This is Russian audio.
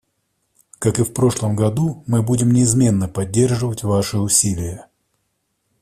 Как и в прошлом году, мы будем неизменно поддерживать ваши усилия.